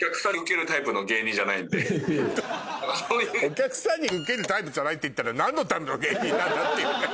「お客さんにウケるタイプじゃない」っていったら何のための芸人なんだっていうね。